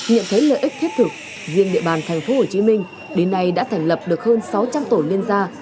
nhận thấy lợi ích thiết thực riêng địa bàn thành phố hồ chí minh đến nay đã thành lập được hơn sáu trăm linh tổn nên ra